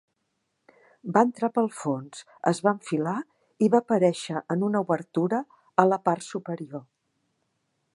Va entrar pel fons, es va enfilar i va aparèixer en una obertura a la part superior.